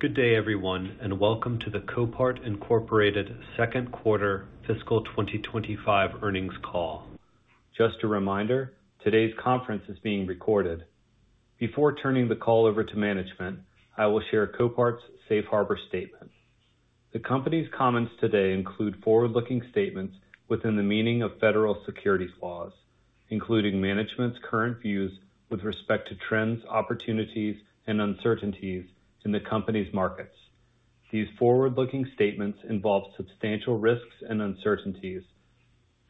Good day, everyone, and welcome to the Copart Incorporated Second Quarter Fiscal 2025 Earnings Call. Just a reminder, today's conference is being recorded. Before turning the call over to management, I will share Copart's Safe Harbor Statement. The company's comments today include forward-looking statements within the meaning of federal securities laws, including management's current views with respect to trends, opportunities, and uncertainties in the company's markets. These forward-looking statements involve substantial risks and uncertainties.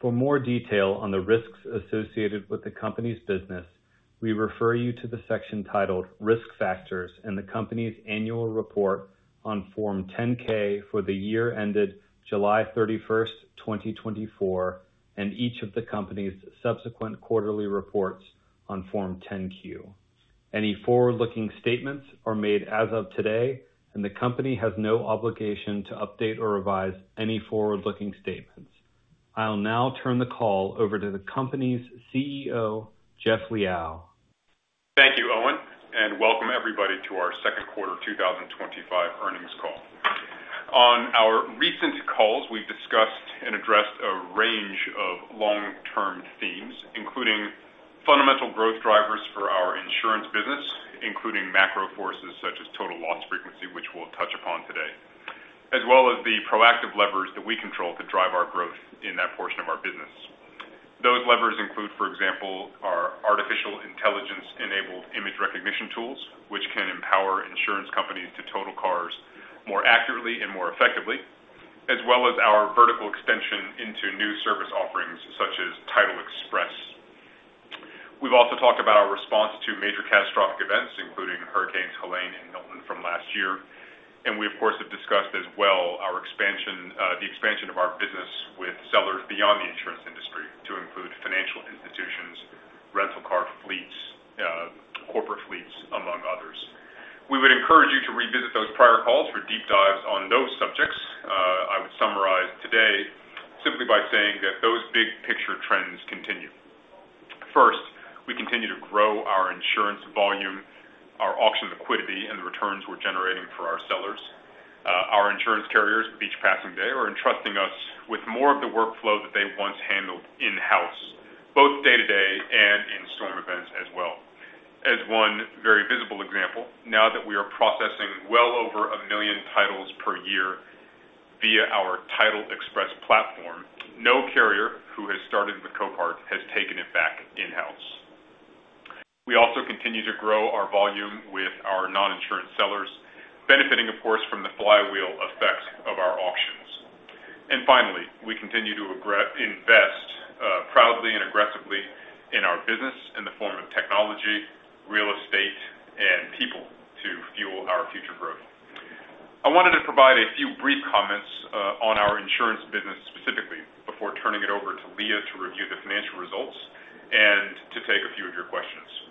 For more detail on the risks associated with the company's business, we refer you to the section titled Risk Factors and the company's annual report on Form 10-K for the year ended July 31st, 2024, and each of the company's subsequent quarterly reports on Form 10-Q. Any forward-looking statements are made as of today, and the company has no obligation to update or revise any forward-looking statements. I'll now turn the call over to the company's CEO, Jeff Liaw. Thank you, Owen, and welcome everybody to our Second Quarter 2025 Earnings Call. On our recent calls, we've discussed and addressed a range of long-term themes, including fundamental growth drivers for our insurance business, including macro forces such as total loss frequency, which we'll touch upon today, as well as the proactive levers that we control to drive our growth in that portion of our business. Those levers include, for example, our artificial intelligence-enabled image recognition tools, which can empower insurance companies to total cars more accurately and more effectively, as well as our vertical extension into new service offerings such as Title Express. We've also talked about our response to major catastrophic events, including Hurricanes Helene and Milton from last year. We, of course, have discussed as well the expansion of our business with sellers beyond the insurance industry to include financial institutions, rental car fleets, corporate fleets, among others. We would encourage you to revisit those prior calls for deep dives on those subjects. I would summarize today simply by saying that those big picture trends continue. First, we continue to grow our insurance volume, our auction liquidity, and the returns we're generating for our sellers. Our insurance carriers, with each passing day, are entrusting us with more of the workflow that they once handled in-house, both day-to-day and in storm events as well. As one very visible example, now that we are processing well over a million titles per year via our Title Express platform, no carrier who has started with Copart has taken it back in-house. We also continue to grow our volume with our non-insurance sellers, benefiting, of course, from the flywheel effect of our auctions. And finally, we continue to invest proudly and aggressively in our business in the form of technology, real estate, and people to fuel our future growth. I wanted to provide a few brief comments on our insurance business specifically before turning it over to Leah to review the financial results and to take a few of your questions.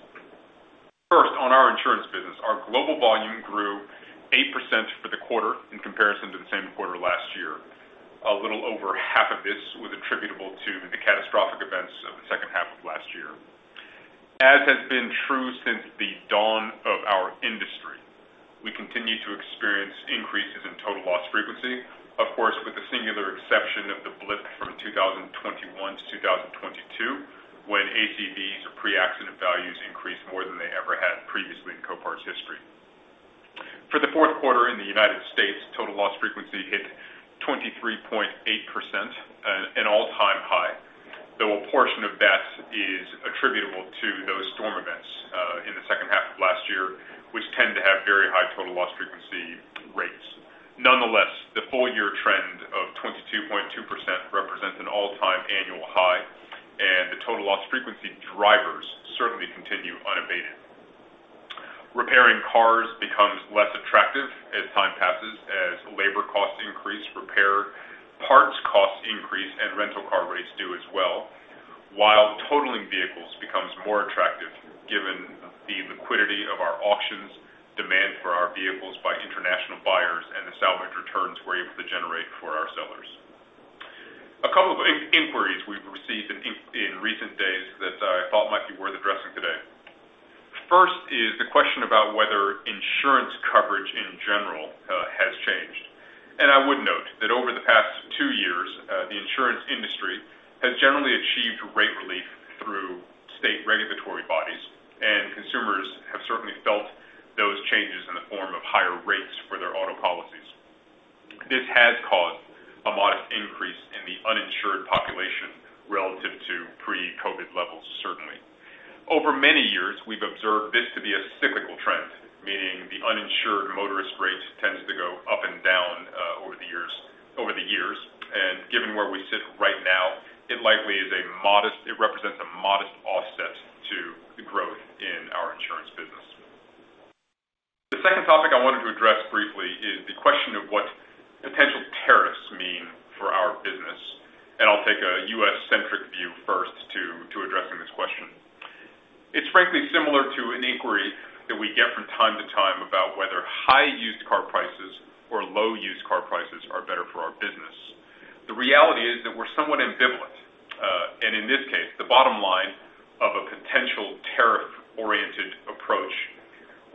First, on our insurance business, our global volume grew 8% for the quarter in comparison to the same quarter last year. A little over half of this was attributable to the catastrophic events of the second half of last year. As has been true since the dawn of our industry, we continue to experience increases in total loss frequency, of course, with the singular exception of the blip from 2021 to 2022 when ACVs or pre-accident values increased more than they ever had previously in Copart's history. For the fourth quarter in the United States, total loss frequency hit 23.8%, an all-time high, though a portion of that is attributable to those storm events in the second half of last year, which tend to have very high total loss frequency rates. Nonetheless, the full-year trend of 22.2% represents an all-time annual high, and the total loss frequency drivers certainly continue unabated. Repairing cars becomes less attractive as time passes as labor costs increase, repair parts costs increase, and rental car rates do as well, while totaling vehicles becomes more attractive given the liquidity of our auctions, demand for our vehicles by international buyers, and the salvage returns we're able to generate for our sellers. A couple of inquiries we've received in recent days that I thought might be worth addressing today. First is the question about whether insurance coverage in general has changed, and I would note that over the past two years, the insurance industry has generally achieved rate relief through state regulatory bodies, and consumers have certainly felt those changes in the form of higher rates for their auto policies. This has caused a modest increase in the uninsured population relative to pre-COVID levels, certainly. Over many years, we've observed this to be a cyclical trend, meaning the uninsured motorist rate tends to go up and down over the years, and given where we sit right now, it likely represents a modest offset to the growth in our insurance business. The second topic I wanted to address briefly is the question of what potential tariffs mean for our business, and I'll take a U.S.-centric view first to addressing this question. It's frankly similar to an inquiry that we get from time to time about whether high used car prices or low used car prices are better for our business. The reality is that we're somewhat ambivalent, and in this case, the bottom line of a potential tariff-oriented approach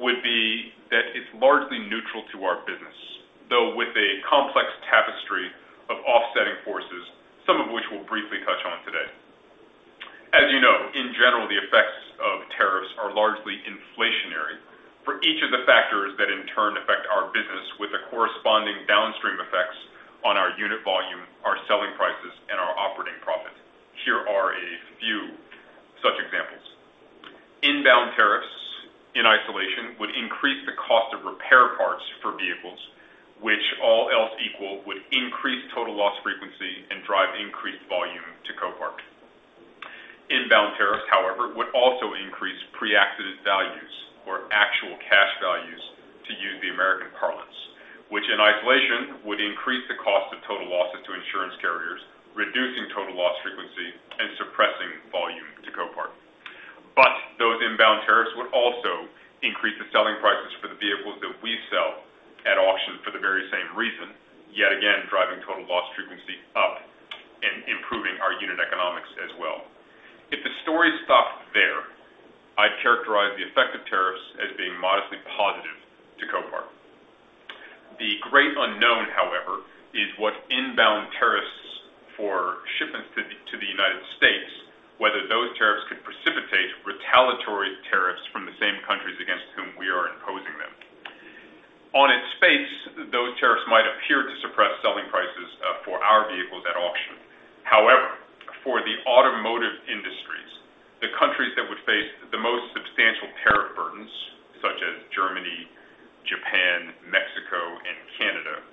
would be that it's largely neutral to our business, though with a complex tapestry of offsetting forces, some of which we'll briefly touch on today. As you know, in general, the effects of tariffs are largely inflationary for each of the factors that in turn affect our business, with the corresponding downstream effects on our unit volume, our selling prices, and our operating profit. Here are a few such examples. Inbound tariffs in isolation would increase the cost of repair parts for vehicles, which all else equal would increase total loss frequency and drive increased volume to Copart. Inbound tariffs, however, would also increase pre-accident values or actual cash values to use the American parlance, which in isolation would increase the cost of total losses to insurance carriers, reducing total loss frequency and suppressing volume to Copart. But those inbound tariffs would also increase the selling prices for the vehicles that we sell at auction for the very same reason, yet again driving total loss frequency up and improving our unit economics as well. If the story stopped there, I'd characterize the effect of tariffs as being modestly positive to Copart. The great unknown, however, is what inbound tariffs for shipments to the United States, whether those tariffs could precipitate retaliatory tariffs from the same countries against whom we are imposing them. On its face, those tariffs might appear to suppress selling prices for our vehicles at auction. However, for the automotive industries, the countries that would face the most substantial tariff burdens, such as Germany, Japan, Mexico, and Canada,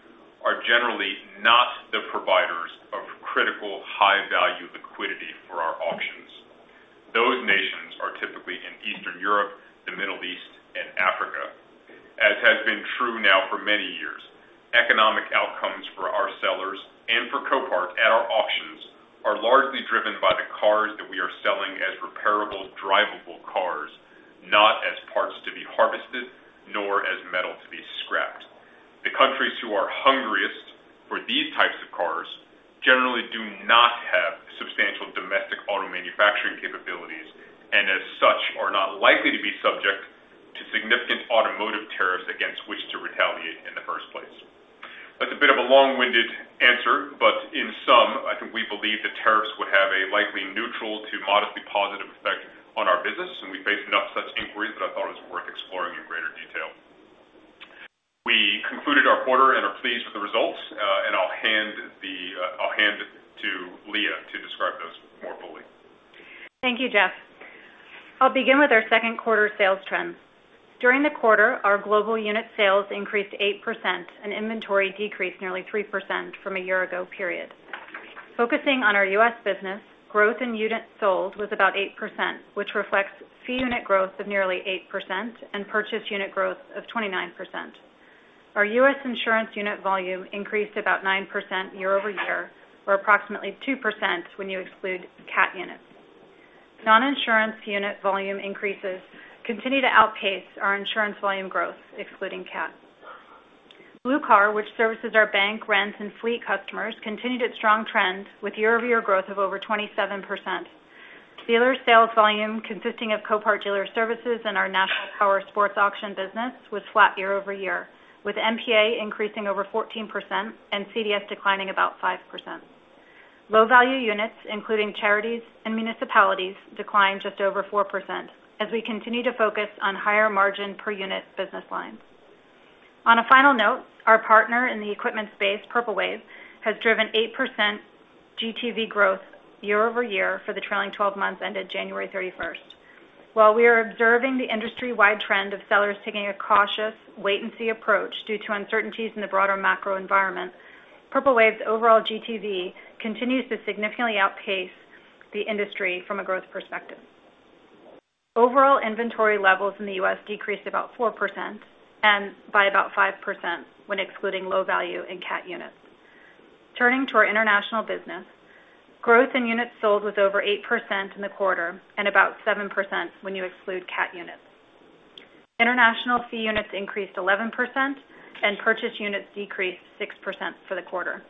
are generally not the providers of critical high-value liquidity for our auctions. Those nations are typically in Eastern Europe, the Middle East, and Africa. As has been true now for many years, economic outcomes for our sellers and for Copart at our auctions are largely driven by the cars that we are selling as repairable, drivable cars, not as parts to be harvested nor as metal to be scrapped. The countries who are hungriest for these types of cars generally do not have substantial domestic auto manufacturing capabilities and, as such, are not likely to be subject to significant automotive tariffs against which to retaliate in the first place. That's a bit of a long-winded answer, but in sum, I think we believe that tariffs would have a likely neutral to modestly positive effect on our business, and we faced enough such inquiries that I thought it was worth exploring in greater detail. We concluded our quarter and are pleased with the results, and I'll hand to Leah to describe those more fully. Thank you, Jeff. I'll begin with our second quarter sales trends. During the quarter, our global unit sales increased 8% and inventory decreased nearly 3% from a year-ago period. Focusing on our U.S. business, growth in units sold was about 8%, which reflects fee unit growth of nearly 8% and purchase unit growth of 29%. Our U.S. insurance unit volume increased about 9% year-over-year, or approximately 2% when you exclude CAT units. Non-insurance unit volume increases continue to outpace our insurance volume growth, excluding CAT. BlueCar, which services our bank, rental, and fleet customers, continued its strong trend with year-over-year growth of over 27%. Dealer sales volume consisting of Copart Dealer Services and our National Powersport Auctions business was flat year-over-year, with NPA increasing over 14% and CDS declining about 5%. Low-value units, including charities and municipalities, declined just over 4% as we continue to focus on higher margin per unit business lines. On a final note, our partner in the equipment space, Purple Wave, has driven 8% GTV growth year-over-year for the trailing 12 months ended January 31st. While we are observing the industry-wide trend of sellers taking a cautious wait-and-see approach due to uncertainties in the broader macro environment, Purple Wave's overall GTV continues to significantly outpace the industry from a growth perspective. Overall inventory levels in the U.S. decreased about 4% and by about 5% when excluding low-value and CAT units. Turning to our international business, growth in units sold was over 8% in the quarter and about 7% when you exclude CAT units. International fee units increased 11% and purchase units decreased 6% for the quarter.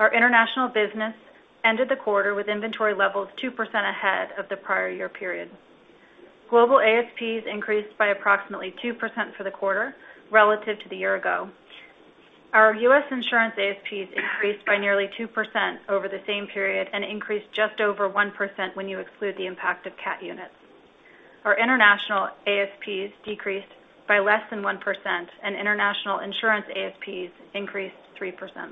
Our international business ended the quarter with inventory levels 2% ahead of the prior year period. Global ASPs increased by approximately 2% for the quarter relative to the year ago. Our U.S. insurance ASPs increased by nearly 2% over the same period and increased just over 1% when you exclude the impact of CAT units. Our international ASPs decreased by less than 1% and international insurance ASPs increased 3%.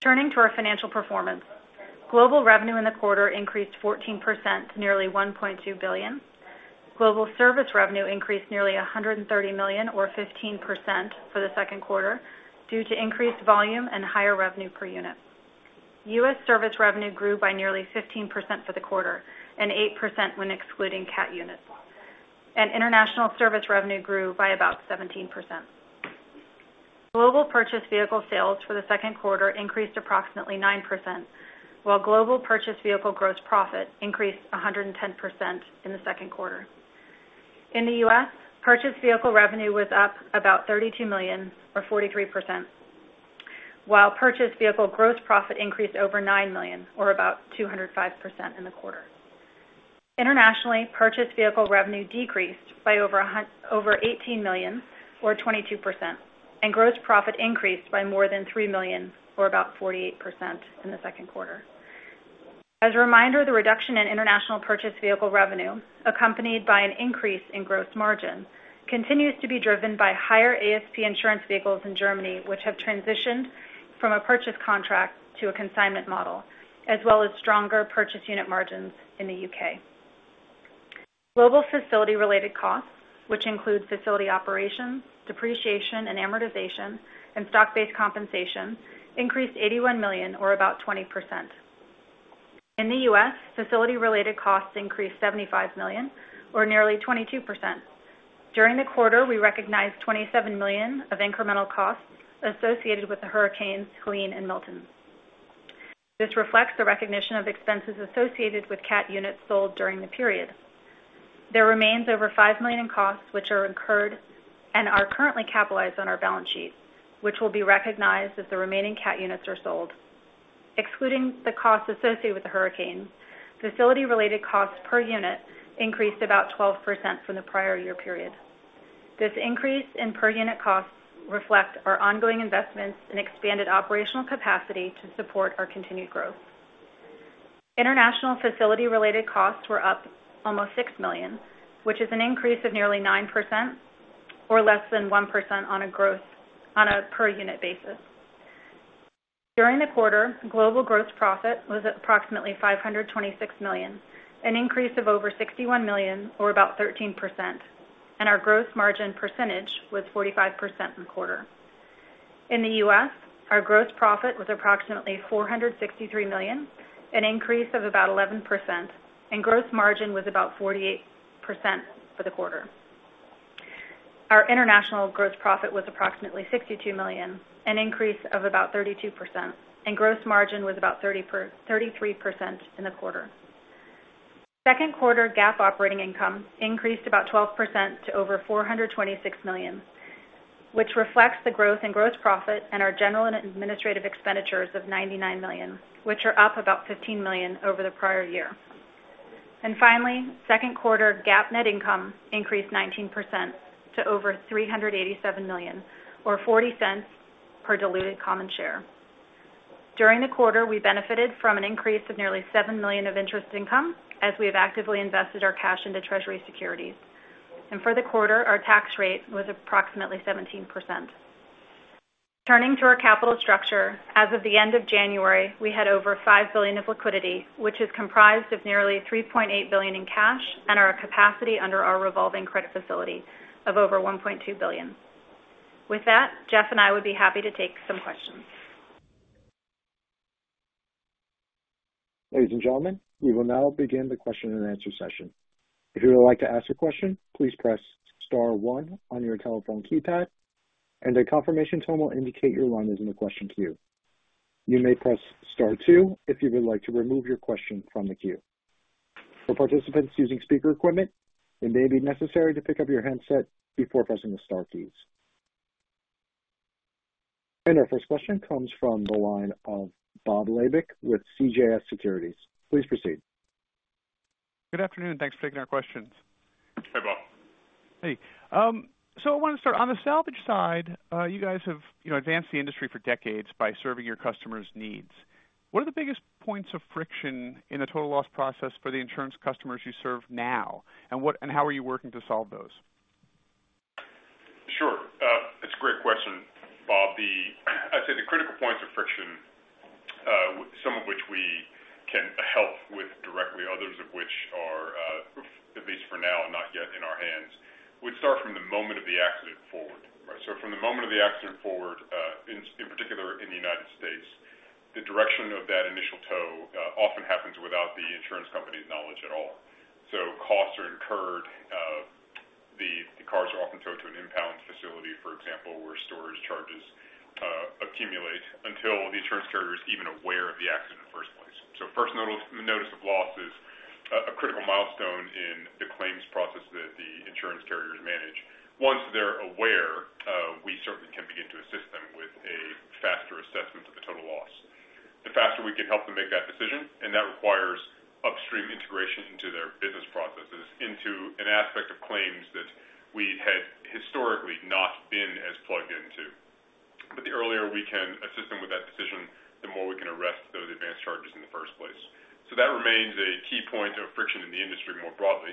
Turning to our financial performance, global revenue in the quarter increased 14% to nearly $1.2 billion. Global service revenue increased nearly $130 million, or 15%, for the second quarter due to increased volume and higher revenue per unit. U.S. service revenue grew by nearly 15% for the quarter and 8% when excluding CAT units. And international service revenue grew by about 17%. Global purchase vehicle sales for the second quarter increased approximately 9%, while global purchase vehicle gross profit increased 110% in the second quarter. In the U.S., purchase vehicle revenue was up about $32 million, or 43%, while purchase vehicle gross profit increased over $9 million, or about 205% in the quarter. Internationally, purchase vehicle revenue decreased by over $18 million, or 22%, and gross profit increased by more than $3 million, or about 48%, in the second quarter. As a reminder, the reduction in international purchase vehicle revenue, accompanied by an increase in gross margin, continues to be driven by higher ASP insurance vehicles in Germany, which have transitioned from a purchase contract to a consignment model, as well as stronger purchase unit margins in the U.K. Global facility-related costs, which include facility operations, depreciation and amortization, and stock-based compensation, increased $81 million, or about 20%. In the U.S., facility-related costs increased $75 million, or nearly 22%. During the quarter, we recognized $27 million of incremental costs associated with the hurricanes Helene and Milton. This reflects the recognition of expenses associated with CAT units sold during the period. There remains over $5 million in costs which are incurred and are currently capitalized on our balance sheet, which will be recognized as the remaining CAT units are sold. Excluding the costs associated with the hurricanes, facility-related costs per unit increased about 12% from the prior year period. This increase in per unit costs reflects our ongoing investments and expanded operational capacity to support our continued growth. International facility-related costs were up almost $6 million, which is an increase of nearly 9%, or less than 1% on a per unit basis. During the quarter, global gross profit was approximately $526 million, an increase of over $61 million, or about 13%, and our gross margin percentage was 45% in the quarter. In the U.S., our gross profit was approximately $463 million, an increase of about 11%, and gross margin was about 48% for the quarter. Our international gross profit was approximately $62 million, an increase of about 32%, and gross margin was about 33% in the quarter. Second quarter GAAP operating income increased about 12% to over $426 million, which reflects the growth in gross profit and our general and administrative expenditures of $99 million, which are up about $15 million over the prior year, and finally, second quarter GAAP net income increased 19% to over $387 million, or $0.40 per diluted common share. During the quarter, we benefited from an increase of nearly $7 million of interest income as we have actively invested our cash into Treasury securities, and for the quarter, our tax rate was approximately 17%. Turning to our capital structure, as of the end of January, we had over $5 billion of liquidity, which is comprised of nearly $3.8 billion in cash and our capacity under our revolving credit facility of over $1.2 billion. With that, Jeff and I would be happy to take some questions. Ladies and gentlemen, we will now begin the question and answer session. If you would like to ask a question, please press star one on your telephone keypad, and a confirmation tone will indicate your line is in the question queue. You may press star two if you would like to remove your question from the queue. For participants using speaker equipment, it may be necessary to pick up your handset before pressing the Star keys. And our first question comes from the line of Bob Labick with CJS Securities. Please proceed. Good afternoon. Thanks for taking our questions. Hey, Bob. Hey. So, I want to start. On the salvage side, you guys have advanced the industry for decades by serving your customers' needs. What are the biggest points of friction in the total loss process for the insurance customers you serve now, and how are you working to solve those? Sure. It's a great question, Bob. I'd say the critical points of friction, some of which we can help with directly, others of which are, at least for now, not yet in our hands, would start from the moment of the accident forward. So, from the moment of the accident forward, in particular in the United States, the direction of that initial tow often happens without the insurance company's knowledge at all. So, costs are incurred. The cars are often towed to an impound facility, for example, where storage charges accumulate until the insurance carrier is even aware of the accident in the first place. So first notice of loss is a critical milestone in the claims process that the insurance carriers manage. Once they're aware, we certainly can begin to assist them with a faster assessment of the total loss. The faster we can help them make that decision, and that requires upstream integration into their business processes, into an aspect of claims that we had historically not been as plugged into. But the earlier we can assist them with that decision, the more we can arrest those advanced charges in the first place. So, that remains a key point of friction in the industry more broadly.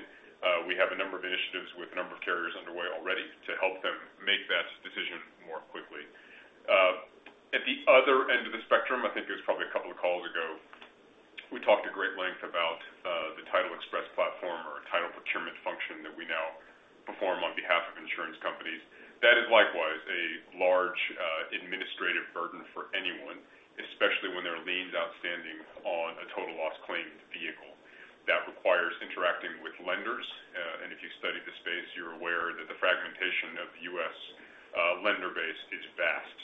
We have a number of initiatives with a number of carriers underway already to help them make that decision more quickly. At the other end of the spectrum, I think it was probably a couple of calls ago, we talked at great length about the Title Express platform or Title Procurement function that we now perform on behalf of insurance companies. That is likewise a large administrative burden for anyone, especially when there are liens outstanding on a total loss claimed vehicle. That requires interacting with lenders, and if you've studied the space, you're aware that the fragmentation of the U.S. lender base is vast,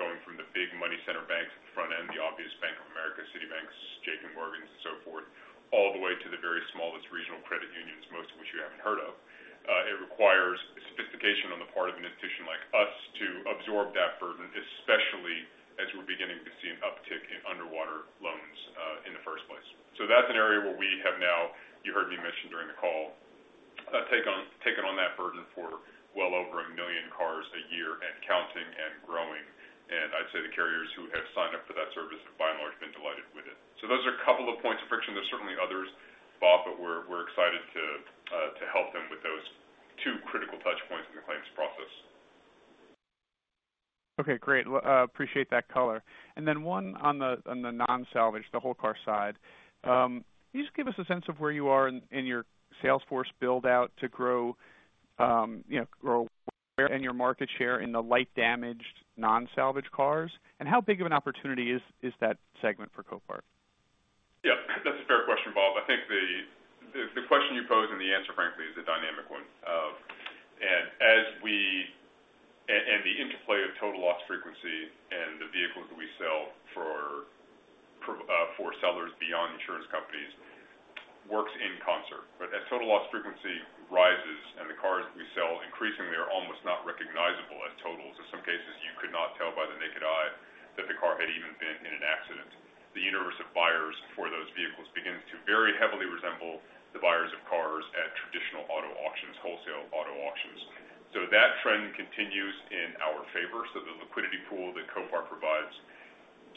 going from the big money center banks at the front end, the obvious Bank of America, Citibank, JPMorgan, and so forth, all the way to the very smallest regional credit unions, most of which you haven't heard of. It requires specification on the part of an institution like us to absorb that burden, especially as we're beginning to see an uptick in underwater loans in the first place. So, that's an area where we have now, you heard me mention during the call, taken on that burden for well over a million cars a year and counting and growing. And I'd say the carriers who have signed up for that service have, by and large, been delighted with it. So, those are a couple of points of friction. There's certainly others, Bob, but we're excited to help them with those two critical touch points in the claims process. Okay. Great. Appreciate that color. And then one on the non-salvage, the whole car side. Can you just give us a sense of where you are in your sales force build-out to grow and your market share in the light-damaged non-salvage cars? And how big of an opportunity is that segment for Copart? Yeah. That's a fair question, Bob. I think the question you posed and the answer, frankly, is a dynamic one. And the interplay of total loss frequency and the vehicles that we sell for sellers beyond insurance companies works in concert. But as total loss frequency rises and the cars that we sell increasingly are almost not recognizable as totals, in some cases, you could not tell by the naked eye that the car had even been in an accident. The universe of buyers for those vehicles begins to very heavily resemble the buyers of cars at traditional auto auctions, wholesale auto auctions. So, that trend continues in our favor. So, the liquidity pool that Copart provides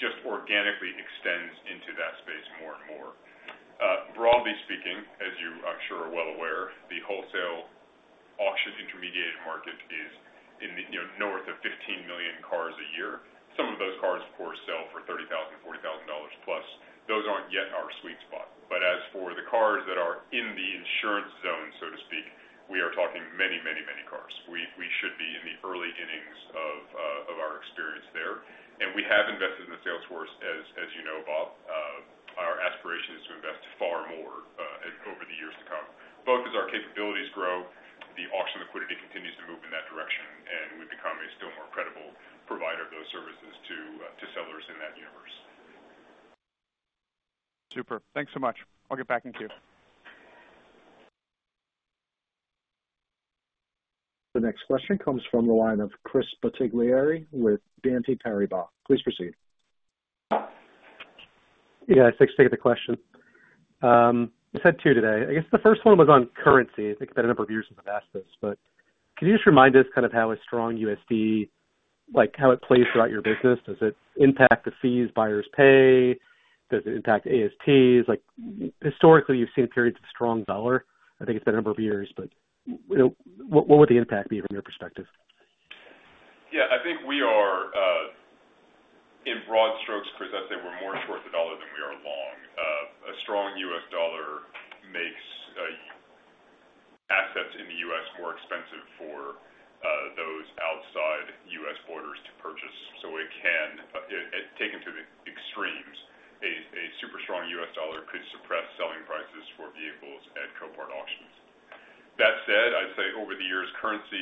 just organically extends into that space more and more. Broadly speaking, as I'm sure you are well aware, the wholesale auction intermediated market is north of 15 million cars a year. Some of those cars, of course, sell for $30,000, $40,000 plus. Those aren't yet our sweet spot. But as for the cars that are in the insurance zone, so to speak, we are talking many, many, many cars. We should be in the early innings of our experience there. And we have invested in Salesforce, as you know, Bob. Our aspiration is to invest far more over the years to come. Both as our capabilities grow, the auction liquidity continues to move in that direction, and we become a still more credible provider of those services to sellers in that universe. Super. Thanks so much. I'll get back in queue. The next question comes from the line of Chris Bottiglieri with BNP Paribas. Please proceed. Yeah. Thanks for taking the question. I said two today. I guess the first one was on currency. I think it's been a number of years since I've asked this, but can you just remind us kind of how a strong USD, how it plays throughout your business? Does it impact the fees buyers pay? Does it impact ASPs? Historically, you've seen periods of strong dollar. I think it's been a number of years, but what would the impact be from your perspective? Yeah. I think we are, in broad strokes, Chris, I'd say we're more short the dollar than we are long. A strong U.S. dollar makes assets in the U.S. more expensive for those outside U.S. borders to purchase. So it can, taken to the extremes, a super strong U.S. dollar could suppress selling prices for vehicles at Copart auctions. That said, I'd say over the years, currency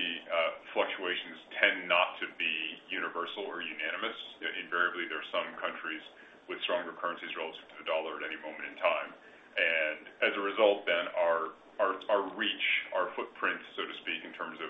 fluctuations tend not to be universal or unanimous. Invariably, there are some countries with stronger currencies relative to the dollar at any moment in time. And as a result, then our reach, our footprint, so to speak, in terms of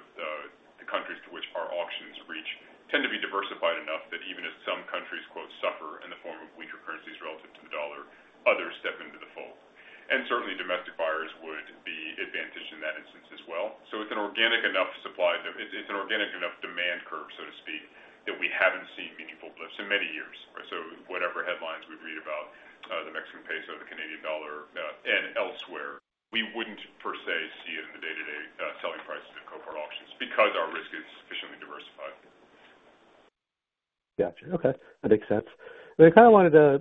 the countries to which our auctions reach, tend to be diversified enough that even if some countries "suffer" in the form of weaker currencies relative to the dollar, others step into the fold. And certainly, domestic buyers would be advantaged in that instance as well. So, it's an organic enough supply. It's an organic enough demand curve, so to speak, that we haven't seen meaningful blips. In many years, so whatever headlines we'd read about the Mexican peso or the Canadian dollar and elsewhere, we wouldn't per se see it in the day-to-day selling prices at Copart auctions because our risk is sufficiently diversified. Gotcha. Okay. That makes sense. I kind of wanted to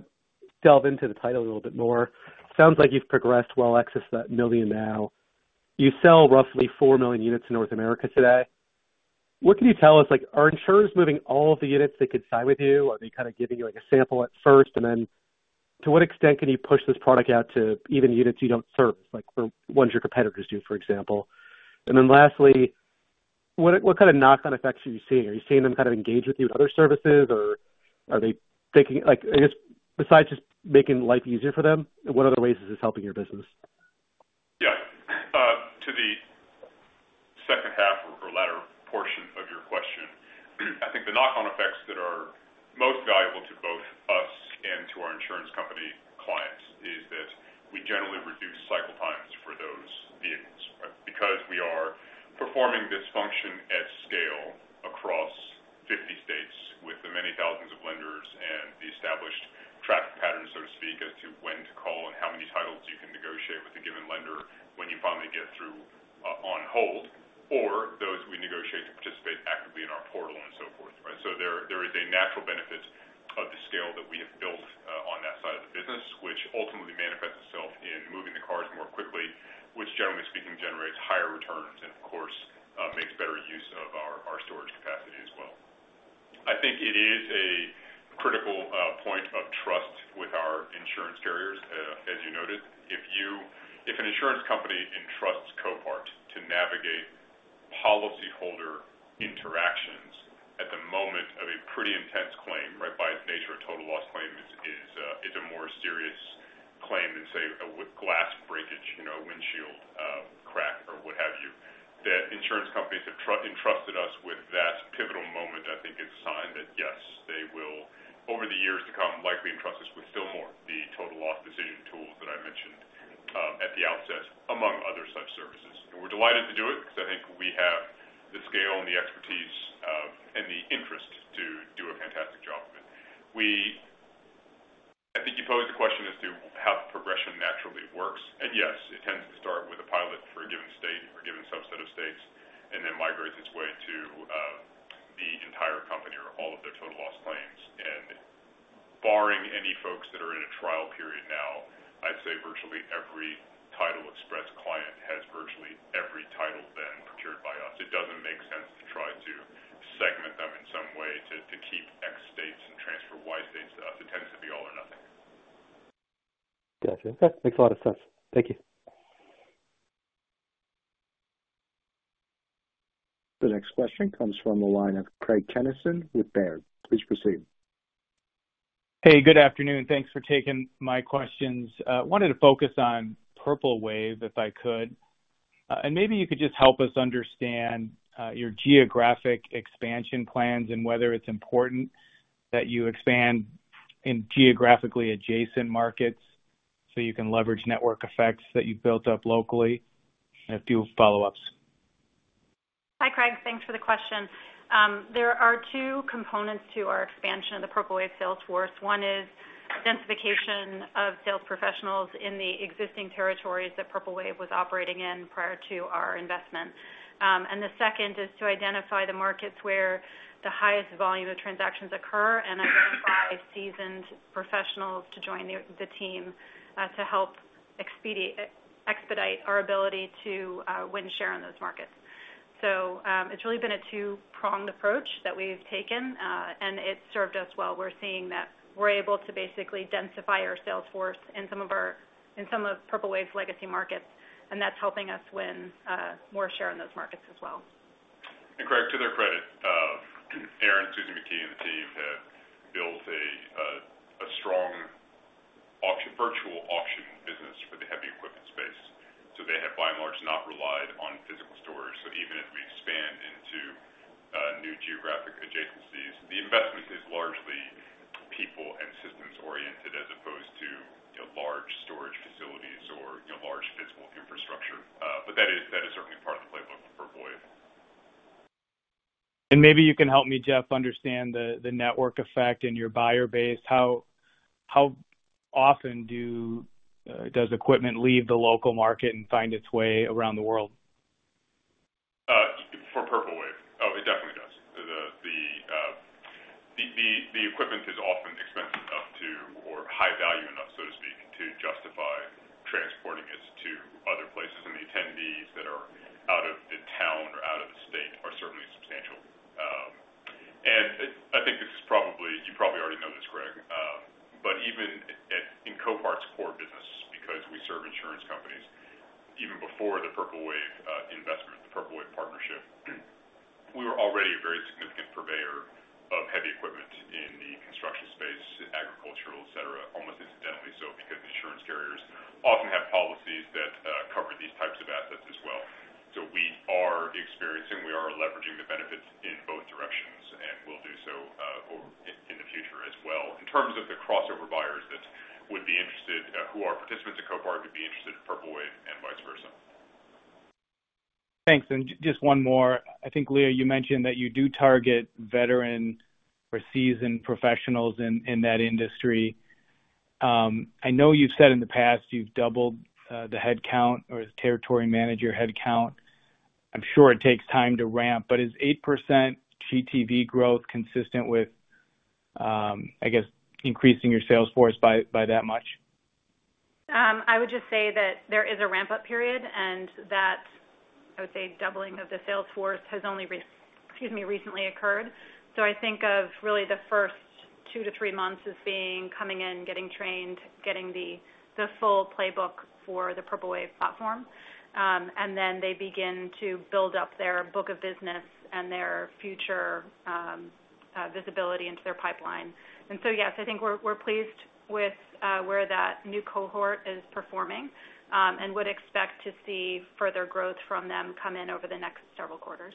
delve into the title a little bit more. Sounds like you've progressed well with access to that million now. You sell roughly four million units in North America today. What can you tell us? Are insurers moving all of the units they could consign with you? Are they kind of giving you a sample at first? And then to what extent can you push this product out to even units you don't service, like the ones your competitors do, for example? And then lastly, what kind of knock-on effects are you seeing? Are you seeing them kind of engage with you in other services, or are they thinking, I guess, besides just making life easier for them, what other ways is this helping your business? Yeah. To the second half or latter portion of your question, I think the knock-on effects that are most valuable to both us and to our insurance company clients is that we generally reduce cycle times for those vehicles because we are performing this function at scale across 50 states with the many thousands of lenders and the established traffic patterns, so to speak. As to when to call and how many titles you can negotiate with a given lender when you finally get through on hold, or those we negotiate to participate actively in our portal and so forth. So, there is a natural benefit of the scale that we have built on that side of the business, which ultimately manifests itself in moving the cars more quickly, which, generally speaking, generates higher returns and, of course, makes better use of our storage capacity as well. I think it is a critical point of trust with our insurance carriers, as you noted. If an insurance company entrusts Copart to navigate policyholder interactions at the moment of a pretty intense claim, right, by its nature, a total loss claim is a more serious claim than, say, a glass breakage, a windshield crack, or what have you, that insurance companies have entrusted us with that pivotal moment. I think, is a sign that, yes, they will, over the years to come, likely entrust us with still more of the total loss decision tools that I mentioned at the outset, among other such services. And we're delighted to do it because I think we have the scale and the expertise and the interest to do a fantastic job of it. I think you posed the question as to how progression naturally works. And yes, it tends to start with a pilot for a given state or a given subset of states and then migrates its way to the entire company or all of their total loss claims. And barring any folks that are in a trial period now, I'd say virtually every Title Express client has virtually every title then procured by us. It doesn't make sense to try to segment them in some way to keep X states and transfer Y states to us. It tends to be all or nothing. Gotcha. That makes a lot of sense. Thank you. The next question comes from the line of Craig Kennison with Baird. Please proceed. Hey, good afternoon. Thanks for taking my questions. I wanted to focus on Purple Wave if I could. And maybe you could just help us understand your geographic expansion plans and whether it's important that you expand in geographically adjacent markets so you can leverage network effects that you've built up locally. A few follow-ups. Hi, Craig. Thanks for the question. There are two components to our expansion of the Purple Wave sales force. One is densification of sales professionals in the existing territories that Purple Wave was operating in prior to our investment. And the second is to identify the markets where the highest volume of transactions occur and identify seasoned professionals to join the team to help expedite our ability to win share in those markets. So it's really been a two-pronged approach that we've taken, and it's served us well. We're seeing that we're able to basically densify our sales force in some of Purple Wave's legacy markets, and that's helping us win more share in those markets as well. And, Craig, to their credit, Aaron McKee, Susan McKee, and the team have built a strong virtual auction business for the heavy equipment space. So they have, by and large, not relied on physical storage. So, even as we expand into new geographic adjacencies, the investment is largely people and systems-oriented as opposed to large storage facilities or large physical infrastructure. But that is certainly part of the playbook for Purple Wave. Maybe you can help me, Jeff, understand the network effect and your buyer base. How often does equipment leave the local market and find its way around the world? For Purple Wave, oh, it definitely does. The equipment is often expensive enough to, or high value enough, so to speak, to justify transporting it to other places, and the attendees that are out of the town or out of the state are certainly substantial. And I think this is probably, you probably already know this, Craig, but even in Copart's core business, because we serve insurance companies, even before the Purple Wave investment, the Purple Wave partnership, we were already a very significant purveyor of heavy equipment in the construction space, agricultural, etc., almost incidentally, so because insurance carriers often have policies that cover these types of assets as well. So, we are experiencing, we are leveraging the benefits in both directions, and we'll do so in the future as well. In terms of the crossover buyers that would be interested, who are participants in Copart, who'd be interested in Purple Wave and vice versa. Thanks. And just one more. I think, Leah, you mentioned that you do target veteran or seasoned professionals in that industry. I know you've said in the past you've doubled the headcount or territory manager headcount. I'm sure it takes time to ramp, but is 8% GTV growth consistent with, I guess, increasing your sales force by that much? I would just say that there is a ramp-up period, and that, I would say, doubling of the sales force has only recently occurred. So, I think of really the first two to three months as being coming in, getting trained, getting the full playbook for the Purple Wave platform, and then they begin to build up their book of business and their future visibility into their pipeline. And so, yes, I think we're pleased with where that new cohort is performing and would expect to see further growth from them come in over the next several quarters.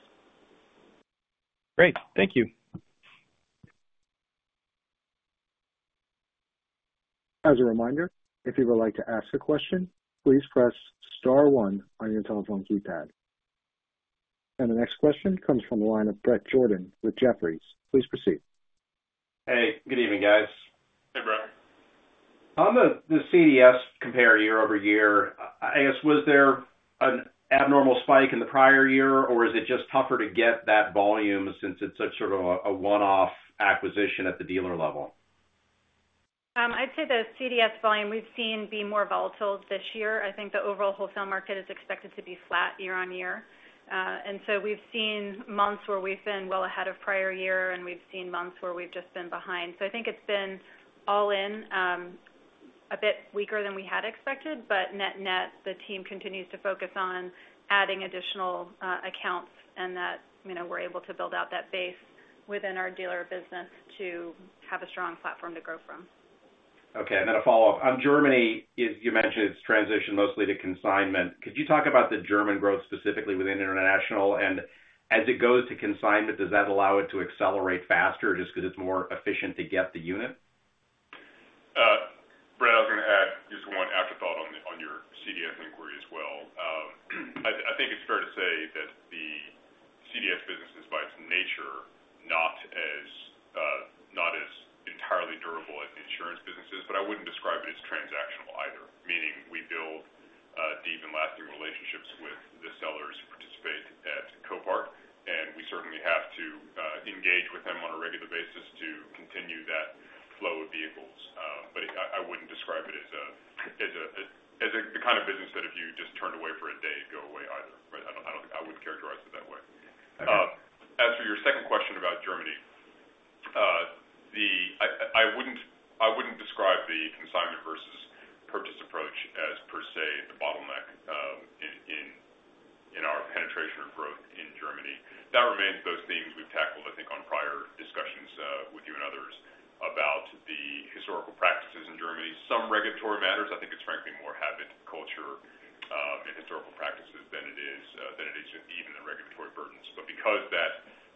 Great. Thank you. As a reminder, if you would like to ask a question, please press star one on your telephone keypad. And the next question comes from the line of Brett Jordan with Jefferies. Please proceed. Hey. Good evening, guys. Hey, Brett. On the CDS compare year over year, I guess, was there an abnormal spike in the prior year, or is it just tougher to get that volume since it's sort of a one-off acquisition at the dealer level? I'd say the CDS volume we've seen be more volatile this year. I think the overall wholesale market is expected to be flat year on year. And so we've seen months where we've been well ahead of prior year, and we've seen months where we've just been behind. So, I think it's been all in, a bit weaker than we had expected, but net-net, the team continues to focus on adding additional accounts and that we're able to build out that base within our dealer business to have a strong platform to grow from. Okay. And then a follow-up. On Germany, you mentioned it's transitioned mostly to consignment. Could you talk about the German growth specifically within international? And as it goes to consignment, does that allow it to accelerate faster just because it's more efficient to get the unit? Brett, I was going to add just one afterthought on your CDS inquiry as well. I think it's fair to say that the CDS business is, by its nature, not as entirely durable as the insurance businesses. But I wouldn't describe it as transactional either, meaning we build deep and lasting relationships with the sellers who participate at Copart, and we certainly have to engage with them on a regular basis to continue that flow of vehicles. But I wouldn't describe it as the kind of business that if you just turned away for a day, it'd go away either. I wouldn't characterize it that way. As for your second question about Germany, I wouldn't describe the consignment versus purchase approach as, per se, the bottleneck in our penetration or growth in Germany. That remains those themes we've tackled, I think, on prior discussions with you and others about the historical practices in Germany. Some regulatory matters, I think it's frankly more habit culture and historical practices than it is even the regulatory burdens. But because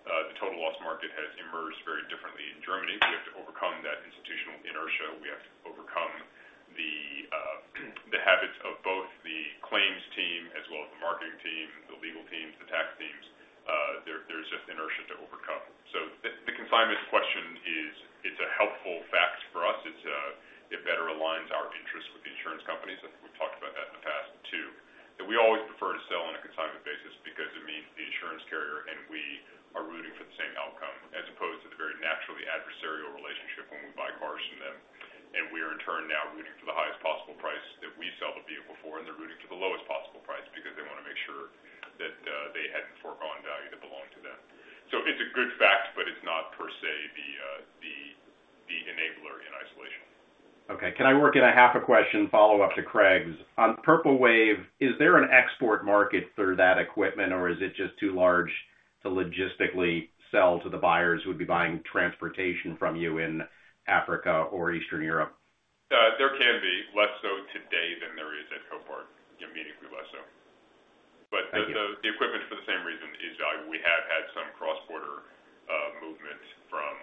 the total loss market has emerged very differently in Germany, we have to overcome that institutional inertia. We have to overcome the habits of both the claims team as well as the marketing team, the legal teams, the tax teams. There's just inertia to overcome. So, the consignment question is, it's a helpful fact for us. It better aligns our interests with the insurance companies. I think we've talked about that in the past too. We always prefer to sell on a consignment basis because it means the insurance carrier and we are rooting for the same outcome as opposed to the very naturally adversarial relationship when we buy cars from them. And we are, in turn, now rooting for the highest possible price that we sell the vehicle for, and they're rooting for the lowest possible price because they want to make sure that they hadn't foregone value that belonged to them. So, it's a good fact, but it's not, per se, the enabler in isolation. Okay. Can I work in a half a question follow-up to Craig's? On Purple Wave, is there an export market for that equipment, or is it just too large to logistically sell to the buyers who would be buying transportation from you in Africa or Eastern Europe? There can be. Less so today than there is at Copart, meaning less so. But the equipment, for the same reason, is valuable. We have had some cross-border movement from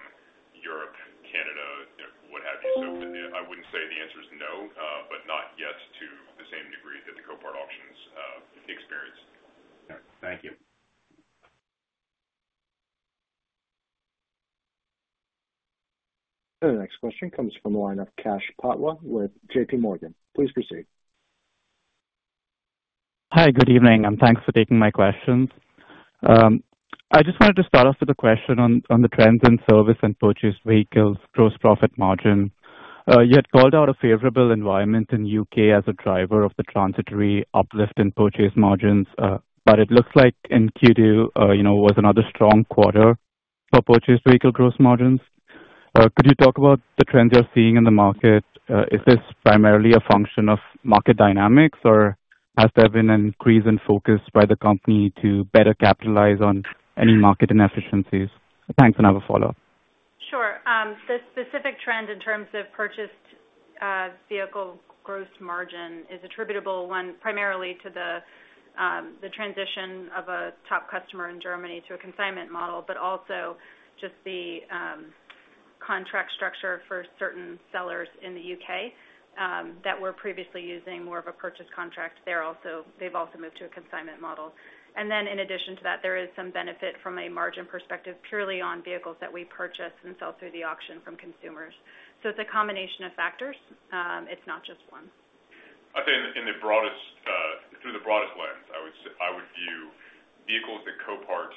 Europe, Canada, what have you. So, I wouldn't say the answer is no, but not yes to the same degree that the Copart auctions experience. Thank you. The next question comes from the line of Akash Patwa with JPMorgan. Please proceed. Hi, good evening, and thanks for taking my questions. I just wanted to start off with a question on the trends in service and purchased vehicles' gross profit margin. You had called out a favorable environment in the U.K. as a driver of the transitory uplift in purchase margins. But it looks like in Q2 was another strong quarter for purchased vehicle gross margins. Could you talk about the trends you're seeing in the market? Is this primarily a function of market dynamics, or has there been an increase in focus by the company to better capitalize on any market inefficiencies? Thanks, and I have a follow-up. Sure. The specific trend in terms of purchased vehicle gross margin is attributable primarily to the transition of a top customer in Germany to a consignment model, but also just the contract structure for certain sellers in the U.K. that were previously using more of a purchase contract. They've also moved to a consignment model. And then, in addition to that, there is some benefit from a margin perspective purely on vehicles that we purchase and sell through the auction from consumers. So, it's a combination of factors. It's not just one. I'd say through the broadest lens, I would view vehicles that Copart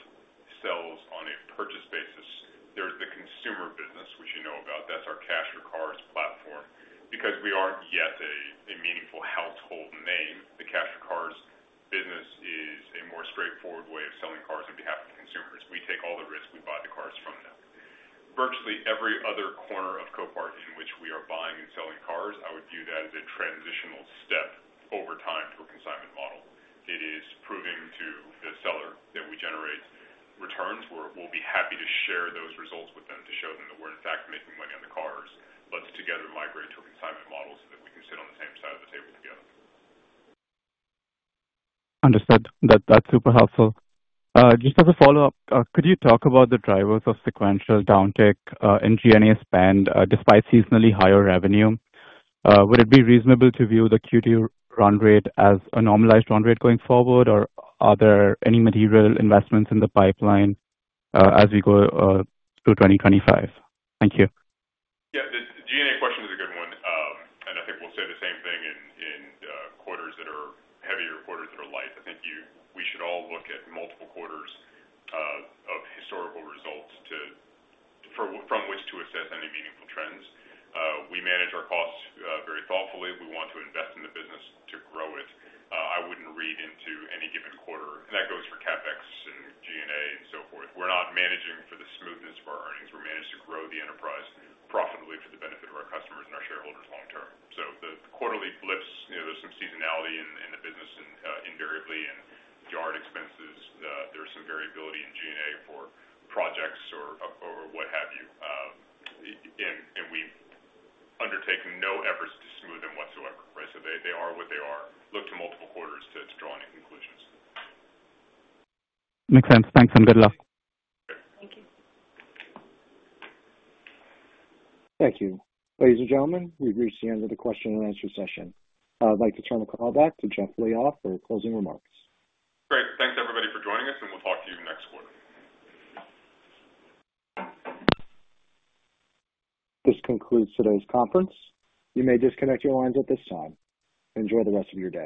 sells on a purchase basis. There's the consumer business, which you know about. That's our Cash For Cars platform. Because we aren't yet a meaningful household name, the Cash For Cars business is a more straightforward way of selling cars on behalf of consumers. We take all the risk. We buy the cars from them. Virtually every other corner of Copart in which we are buying and selling cars, I would view that as a transitional step over time to a consignment model. It is proving to the seller that we generate returns. We'll be happy to share those results with them to show them that we're, in fact, making money on the cars. Let's together migrate to a consignment model so that we can sit on the same side of the table together. Understood. That's super helpful. Just as a follow-up, could you talk about the drivers of sequential downtick in G&A spend despite seasonally higher revenue? Would it be reasonable to view the Q2 run rate as a normalized run rate going forward, or are there any material investments in the pipeline as we go through 2025? Thank you. Yeah. The SG&A question is a good one. And I think we'll say the same thing in quarters that are heavier and quarters that are light. I think we should all look at multiple quarters of historical results from which to assess any meaningful trends. We manage our costs very thoughtfully. We want to invest in the business to grow it. I wouldn't read into any given quarter. And that goes for CapEx and SG&A and so forth. We're not managing for the smoothness of our earnings. We're managing to grow the enterprise profitably for the benefit of our customers and our shareholders long-term. So the quarterly blips, there's some seasonality in the business invariably. And yard expenses, there's some variability in SG&A for projects or what have you. And we've undertaken no efforts to smooth them whatsoever. So, they are what they are. Look to multiple quarters to draw any conclusions. Makes sense. Thanks, and good luck. Thank you. Thank you. Ladies and gentlemen, we've reached the end of the question-and-answer session. I'd like to turn the call back to Jeff Liaw for closing remarks. Great. Thanks, everybody, for joining us, and we'll talk to you next quarter. This concludes today's conference. You may disconnect your lines at this time. Enjoy the rest of your day.